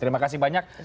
terima kasih banyak